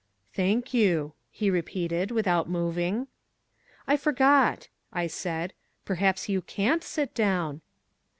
"Thank you," he repeated, without moving. "I forgot," I said. "Perhaps you CAN'T sit down."